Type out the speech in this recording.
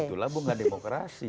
itulah bunga demokrasi